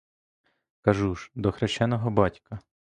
Кажу ж: до хрещеного батька.